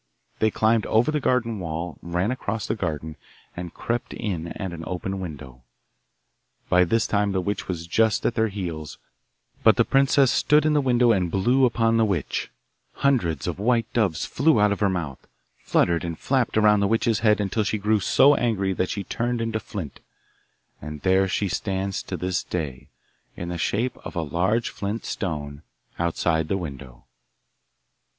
They climbed over the garden wall, ran across the garden, and crept in at an open window. By this time the witch was just at their heels, but the princess stood in the window and blew upon the witch; hundreds of white doves flew out of her mouth, fluttered and flapped around the witch's head until she grew so angry that she turned into flint, and there she stands to this day, in the shape of a large flint stone, outside the window.